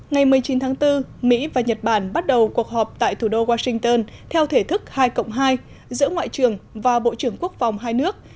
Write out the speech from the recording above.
ngày một mươi chín tháng bốn mỹ và nhật bản bắt đầu cuộc họp tại thủ đô washington theo thể thức hai cộng hai giữa ngoại trưởng và bộ trưởng quốc phòng hai nước